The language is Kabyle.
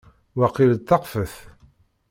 Waqil d taxfet.